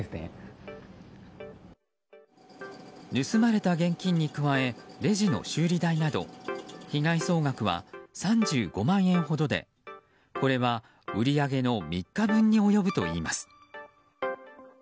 盗まれた現金に加えレジの修理代など被害総額は３５万円ほどでこれは売り上げの３日分に及ぶといいます。